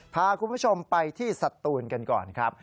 พาคุณผู้ชมไปที่สตูนกันก่อนครับ